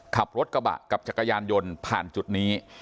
ขับรถกระบะกับจักรยานยนต์ผ่านจุดนี้